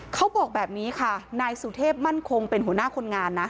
เขาบอกแบบนี้ค่ะนายสุเทพมั่นคงเป็นหัวหน้าคนงานนะ